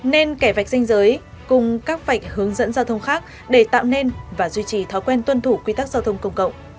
nên kẻ vạch danh giới cùng các vạch hướng dẫn giao thông khác để tạo nên và duy trì thói quen tuân thủ quy tắc giao thông công cộng